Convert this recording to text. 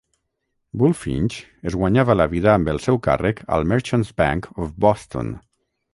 Bulfinch es guanyava la vida amb el seu càrrec al Merchants' Bank of Boston.